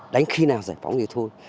đánh khi nào giải phóng thì thôi